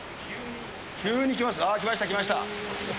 急に来ました、来ました、来ました。